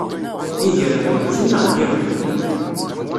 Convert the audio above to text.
Iger-a n temẓin neɣ n yirden?